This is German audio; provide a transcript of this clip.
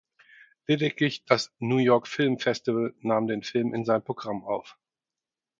Lediglich das New York Film Festival nahm den Film in sein Programm auf.